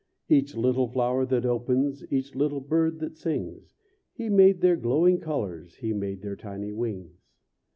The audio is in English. Each little flower that opens, Each little bird that sings, He made their glowing colors, He made their tiny wings.